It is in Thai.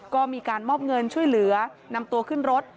ก็มีการมอบเงินช่วยเหลือนำตัวขึ้นรถ